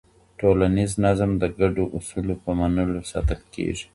ټولنیز نظم د ګډو اصولو په منلو ساتل کېږي.